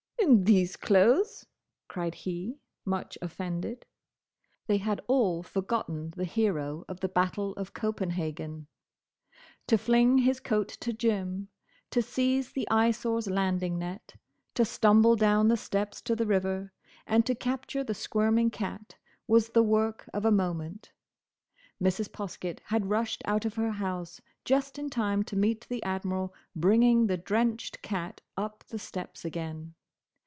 "In these clothes!" cried he, much offended. They had all forgotten the hero of the Battle of Copenhagen. To fling his coat to Jim; to seize the Eyesore's landing net; to stumble down the steps to the river; and to capture the squirming cat, was the work of a moment. Mrs. Poskett had rushed out of her house just in time to meet the Admiral bringing the drenched cat up the steps again.